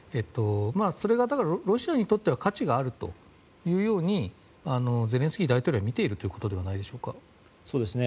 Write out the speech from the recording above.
それが、ロシアにとっては価値があるというようにゼレンスキー大統領は見ているということではないでしょうか。